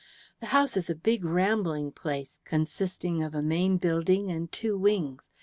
The house is a big rambling place, consisting of a main building and two wings.